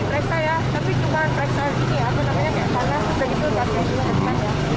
aku namanya karena begitu gajahnya juga gajahnya